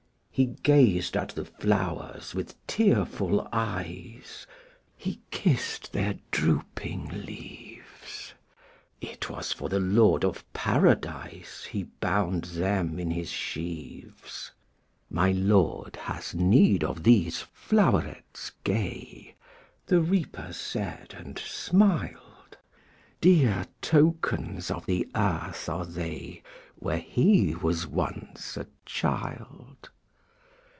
'' He gazed at the flowers with tearful eyes, He kissed their drooping leaves; It was for the Lord of Paradise He bound them in his sheaves. ``My Lord has need of these flowerets gay,'' The Reaper said, and smiled; ``Dear tokens of the earth are they, Where he was once a child.